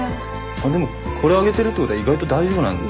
でもこれ上げてるってことは意外と大丈夫なんじゃ。